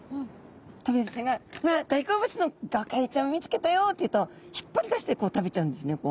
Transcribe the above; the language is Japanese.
トビハゼちゃんが「わあっ大好物のゴカイちゃんを見つけたよ！」って言うと引っ張り出してこう食べちゃうんですね。